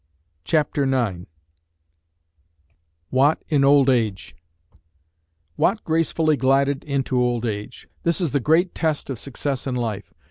CHAPTER IX WATT IN OLD AGE Watt gracefully glided into old age. This is the great test of success in life.